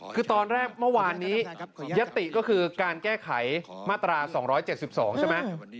คือตอนแรกเมื่อวานนี้ยัตติก็คือการแก้ไขมาตรา๒๗๒ใช่ไหม